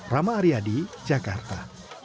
rama aryadi jakarta